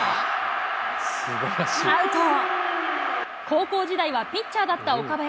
高校時代はピッチャーだった岡林。